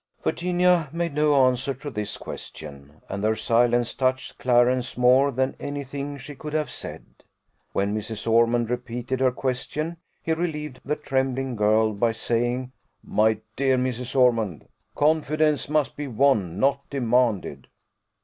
Virginia made no answer to this question, and her silence touched Clarence more than any thing she could have said. When Mrs. Ormond repeated her question, he relieved the trembling girl by saying, "My dear Mrs. Ormond, confidence must be won, not demanded."